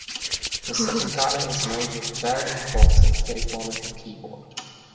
The setinkane is made with varying forks, and played more like a keyboard.